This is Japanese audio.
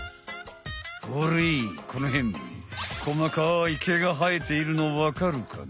ほれこのへん細かい毛が生えているのわかるかな？